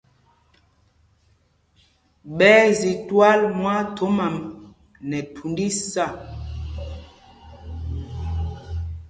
Ɓɛ́ ɛ́ zi twǎl mwaathɔm ām nɛ thund isâ.